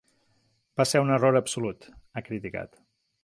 “Va ser un error absolut”, ha criticat.